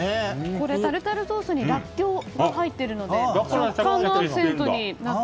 これ、タルタルソースにラッキョウが入っているので食感がアクセントになって。